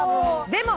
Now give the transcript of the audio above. でも！